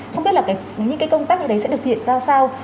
không biết là những cái công tác như đấy sẽ được hiện ra sao